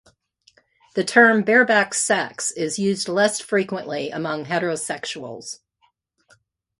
The term "bareback sex" is used less frequently among heterosexuals.